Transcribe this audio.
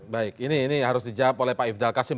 baik ini harus dijawab oleh pak ifdal kasim